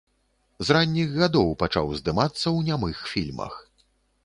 З ранніх гадоў пачаў здымацца ў нямых фільмах.